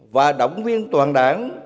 và động viên toàn đảng